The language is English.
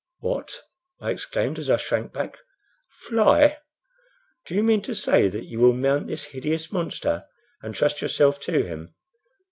"What!" I exclaimed, as I shrank back "fly! Do you mean to say that you will mount this hideous monster, and trust yourself to him?"